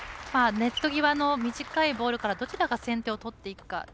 ネット際の短いボールからどちらが先手を取っていくか。